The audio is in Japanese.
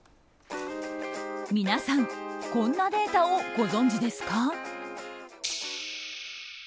皆さん、こんなデータをご存じですか？